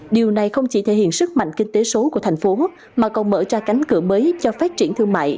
điều này không chỉ thể hiện sức mạnh kinh tế số của thành phố mà còn mở ra cánh cửa mới cho phát triển thương mại